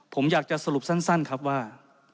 ผมอยากจะสรุปสั้นครับว่า